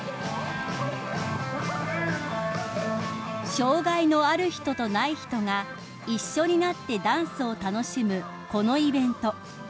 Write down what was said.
［障害のある人とない人が一緒になってダンスを楽しむこのイベント］